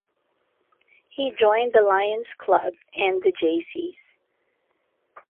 He joined the Lions Club and the Jaycees.